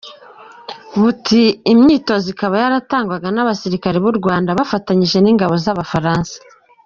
Buti “Imyitozo ikaba yaratangwaga n’Abasirikare b’u Rwanda bafatanije n’ingabo z’Abafaransa.